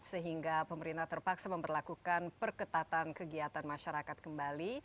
sehingga pemerintah terpaksa memperlakukan perketatan kegiatan masyarakat kembali